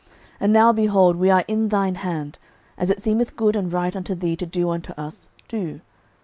06:009:025 And now, behold, we are in thine hand: as it seemeth good and right unto thee to do unto us, do.